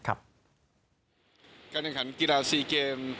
การแข่งขันกีฬา๔เกม